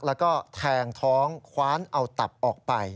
แล้วก็แทงท้องคว้านเอาตับออกไป